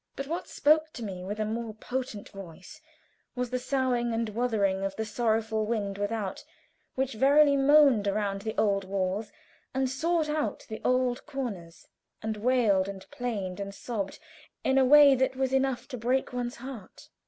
But what spoke to me with a more potent voice was the soughing and wuthering of the sorrowful wind without, which verily moaned around the old walls, and sought out the old corners, and wailed, and plained, and sobbed in a way that was enough to break one's heart.